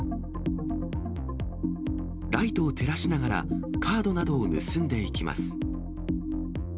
ライトを照らしながら、カードなどを盗んでいきます。